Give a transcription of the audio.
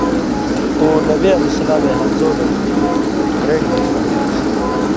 اُو نبی علیہ السلامَیں ہمزولے رنڈیۡ گھریۡماݜ آن٘سیۡ۔